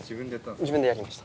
自分でやりました。